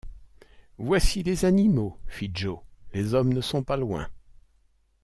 Voici les animaux, fit Joe ; les hommes ne sont pas loin.